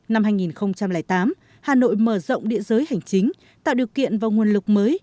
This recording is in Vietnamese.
năm hai nghìn tám hà nội mở rộng địa giới hành chính tạo điều kiện và nguồn lực mới